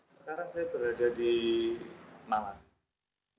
sekarang saya berada di malang